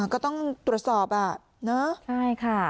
ก็ต้องตรวจสอบใช่ค่ะ